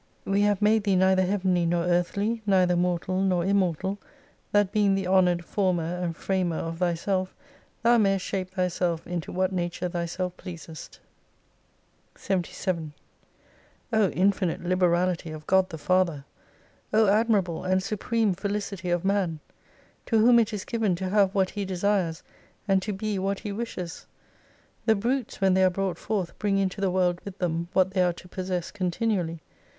We have made thee neither heavenly nor earthly, neither mortal nor immortal, that being the honoured former and framer of thyself, thou mayest shape thyself into what nature thyself pleasest !" 297 11 " 0 infinite liberality of God the Father ! O admirable and supreme Felicity of Man ! to whom it is given to have what he desires, and to be what he wishes. The brutes when they arc brought forth bring into the world with them what they are to possess continually.